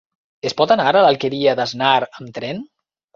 Es pot anar a l'Alqueria d'Asnar amb tren?